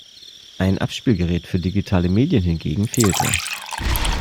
Ein Abspielgerät für digitale Medien hingegen fehlte.